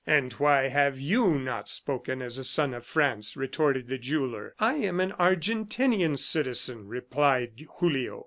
"And why have you not spoken as a son of France?" retorted the jeweller. "I am an Argentinian citizen," replied Julio.